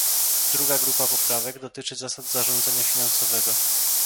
Druga grupa poprawek dotyczy zasad zarządzania finansowego